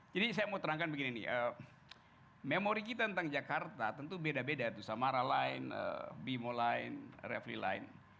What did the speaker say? jadi saya mau terangkan begini memori kita tentang jakarta tentu beda beda samara line bimo line refli line